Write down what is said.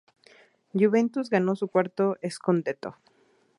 Juventus ganó su cuarto "scudetto".